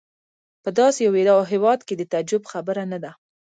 په داسې یو هېواد کې د تعجب خبره نه ده.